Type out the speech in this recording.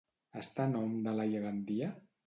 Està a nom de Laia Gandia?